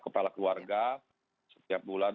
kepala keluarga setiap bulan